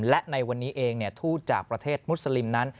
และในวันนี้เองทูตจากประเทศมุสลิมนั้น